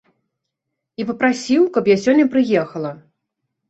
І папрасіў, каб я сёння прыехала.